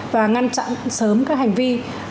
và ngăn chặn sớm các hành vi